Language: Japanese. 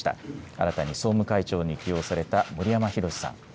新たに総務会長に起用された森山裕さん。